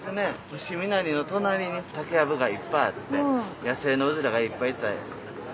伏見稲荷の隣に竹やぶがいっぱいあって野生のうずらがいっぱいいた。